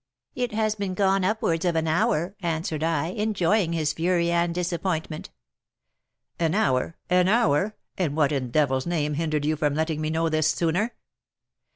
'It has been gone upwards of an hour,' answered I, enjoying his fury and disappointment. 'An hour! an hour! and what, in the devil's name, hindered you from letting me know this sooner?'